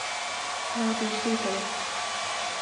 نہ دوسری طرف۔